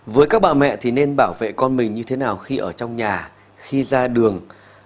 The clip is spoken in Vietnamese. với các bà mẹ thì nên bảo vệ con mình như thế nào khi ở trong nhà khi ra đường